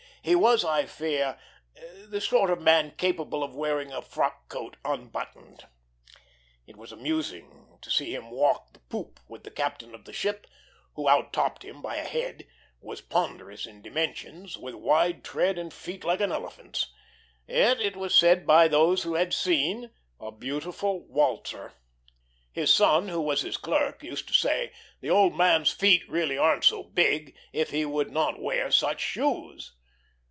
He was, I fear, the sort of man capable of wearing a frock coat unbuttoned. It was amusing to see him walk the poop with the captain of the ship, who out topped him by a head, was ponderous in dimensions, with wide tread and feet like an elephant's; yet, it was said by those who had seen, a beautiful waltzer. His son, who was his clerk, used to say: "The old man's feet really aren't so big, if he would not wear such shoes."